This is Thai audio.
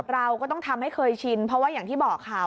เราก็ต้องทำให้เคยชินเพราะว่าอย่างที่บอกค่ะ